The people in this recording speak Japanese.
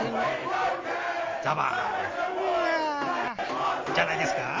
ザバンはあじゃないですか？